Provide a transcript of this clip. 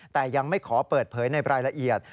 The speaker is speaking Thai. แต่ยังไม่ขอเปิดเผยในรายละเอียด